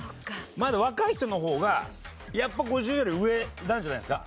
まだ若い人の方がやっぱ５０より上なんじゃないですか。